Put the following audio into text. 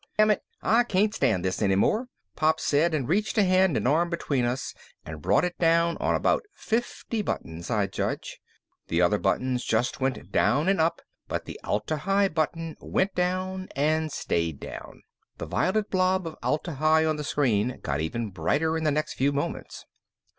"Dammit, I can't stand this any more," Pop said and reached a hand and arm between us and brought it down on about fifty buttons, I'd judge. The other buttons just went down and up, but the Atla Hi button went down and stayed down. The violet blob of Atla Hi on the screen got even brighter in the next few moments.